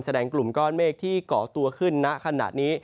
แสดงกลุ่มก้อนเมฆที่เกาะตัวขึ้นนะขนาดนี้